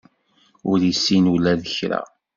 Ur issin ula d kra.